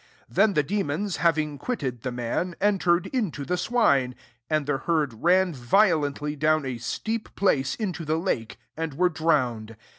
S3 Then the demons, having quitted the man, entered into the swine: and the herd ran violently down a steep place into the lake ; and were drown ed.